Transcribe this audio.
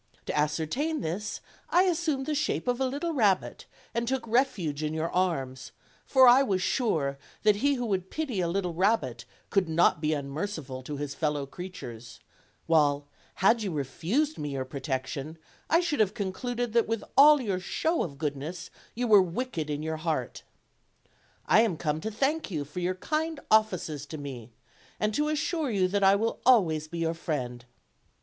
To ascertain this I assumed the shape of a little rabbit and took refnge in your arms, for I was sure that he who would pity a little rabbit could not be unmerciful to his fellow creatures; while, had you refused me your protection, I should have concluded that with all your show of goodness you were wicked in your heart. I am come to thank you for your kind offices to me, and to assure you that I will always be your friend.